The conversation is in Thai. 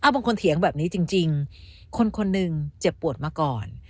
บางทีเถียงแบบนี้จริงคนหนึ่งเจ็บปวดมาก่อน